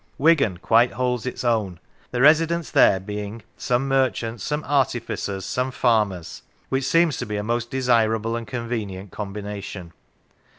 Wigan quite holds its own, the residents there being " some merchants, some artificers, some farmers," which seems to be a most desirable and con venient combination.